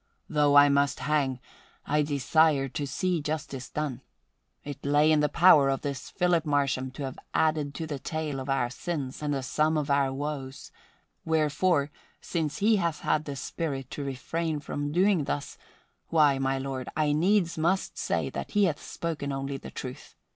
"Though I must hang I desire to see justice done. It lay in the power of this Philip Marsham to have added to the tale of our sins and the sum of our woes; wherefore, since he hath had the spirit to refrain from doing thus, why, my lord, I needs must say that he hath spoken only the truth.